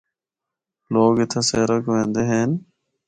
لوگ اِتھا سیرا کو ایندے ہن۔